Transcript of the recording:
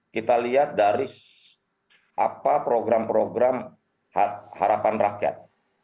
kita lihat dari apa program program harapan rakyat